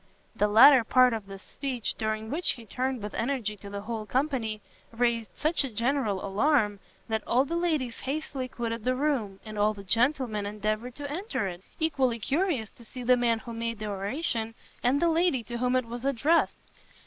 The latter part of this speech, during which he turned with energy to the whole company, raised such a general alarm, that all the ladies hastily quitted the room, and all the gentlemen endeavoured to enter it, equally curious to see the man who made the oration, and the lady to whom it was addressed.